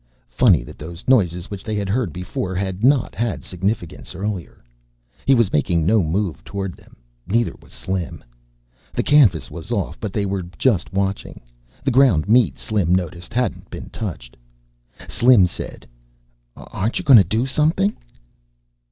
Funny that those noises which they had heard before had not had significance earlier. He was making no move toward them. Neither was Slim. The canvas was off but they were just watching. The ground meat, Slim noticed, hadn't been touched. Slim said, "Aren't you going to do something?"